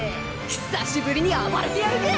久しぶりに暴れてやるか！